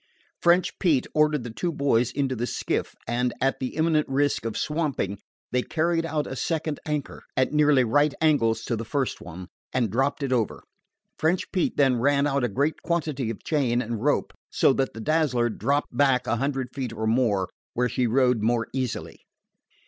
French Pete ordered the two boys into the skiff, and, at the imminent risk of swamping, they carried out a second anchor, at nearly right angles to the first one, and dropped it over. French Pete then ran out a great quantity of chain and rope, so that the Dazzler dropped back a hundred feet or more, where she rode more easily.